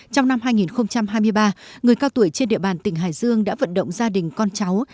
trong năm hai nghìn hai mươi ba người cao tuổi trên địa bàn tỉnh hải dương đã vận động gia đình con cháu